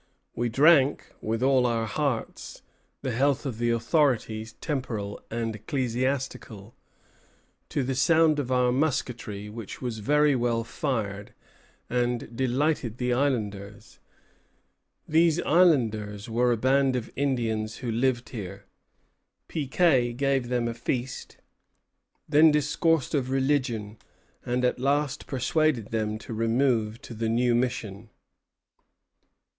We drank, with all our hearts, the health of the authorities, temporal and ecclesiastical, to the sound of our musketry, which was very well fired, and delighted the islanders." These islanders were a band of Indians who lived here. Piquet gave them a feast, then discoursed of religion, and at last persuaded them to remove to the new mission.